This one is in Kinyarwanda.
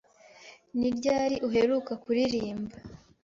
Ni ryari uheruka kuririmba?